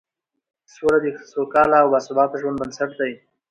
سوله د سوکاله او باثباته ژوند بنسټ دی